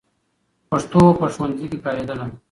پښتو به په ښوونځي کې کارېدله.